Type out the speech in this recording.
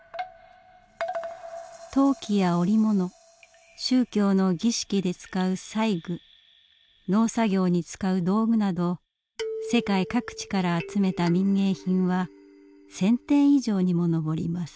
陶器や織物宗教の儀式で使う祭具農作業に使う道具など世界各地から集めた民藝品は１，０００点以上にものぼります。